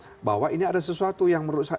saya bahwa ini ada sesuatu yang menurut saya